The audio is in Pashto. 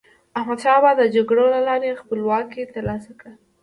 احمدشاه بابا د جګړو له لارې خپلواکي تر لاسه کړه.